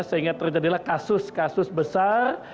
sehingga terjadilah kasus kasus besar